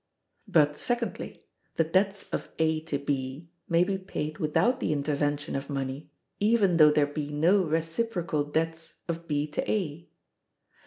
But, secondly: The debts of A to B may be paid without the intervention of money, even though there be no reciprocal debts of B to A.